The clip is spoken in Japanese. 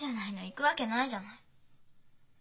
行くわけないじゃない。